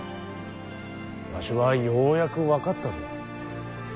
わしはようやく分かったぞ。